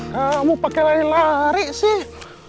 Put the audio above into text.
kamu pakai lari lari sih